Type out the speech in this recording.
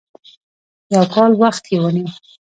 يو کال وخت یې ونیو.